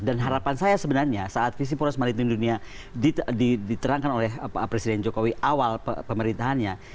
dan harapan saya sebenarnya saat visi polos maritim dunia diterangkan oleh presiden jokowi awal pemerintahannya